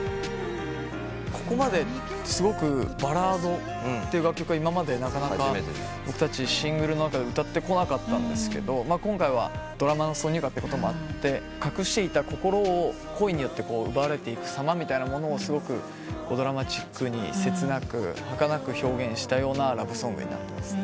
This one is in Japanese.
ここまですごくバラードって楽曲が今までなかなかシングルの中で歌ってこなかったんですけど今回はドラマの挿入歌ってこともあって隠していた心を恋によって奪われていくさまみたいなものをすごくドラマチックに切なくはかなく表現したようなラブソングになってます。